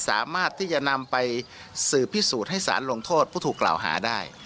สามารถที่จะนำไปสืบพิสูจน์ให้สารลงโทษผู้ถูกกล่าวหาได้